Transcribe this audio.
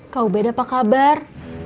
kau beda apa kabar